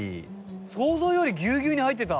想像よりぎゅうぎゅうに入ってた。